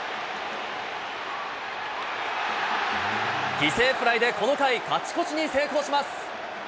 犠牲フライでこの回、勝ち越しに成功します。